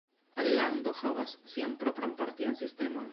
Alando havas sian propran partian sistemon.